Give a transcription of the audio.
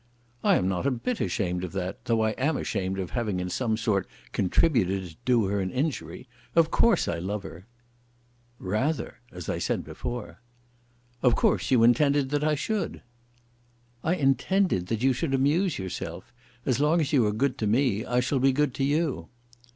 "I am not a bit ashamed of that, though I am ashamed of having in some sort contributed to do her an injury. Of course I love her." "Rather, as I said before." "Of course you intended that I should." "I intended that you should amuse yourself. As long as you are good to me, I shall be good to you."